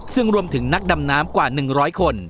ซึ่งรวมถึงนักดำน้ำกว่า๑๐๐คน